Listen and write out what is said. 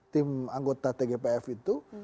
tim anggota tgpf itu